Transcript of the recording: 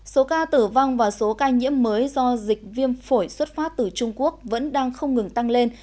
số ca tử vong và số ca nhiễm mới do dịch viêm phổi xuất phát từ trung quốc vẫn đang không ngừng tăng lên